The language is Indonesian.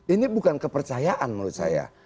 ini bukan kepercayaan menurut saya